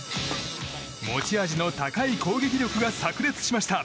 持ち味の高い攻撃力が炸裂しました。